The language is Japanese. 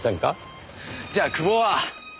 じゃあ久保は？